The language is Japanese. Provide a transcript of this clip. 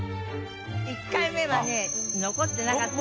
「１回目はね残ってなかった」